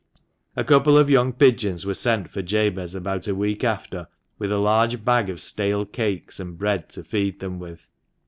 A couple of young pigeons were sent for Jabez about a week after, with a large bag of stale cakes and bread to feed them with.